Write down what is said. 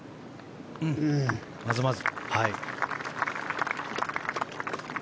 まずまず。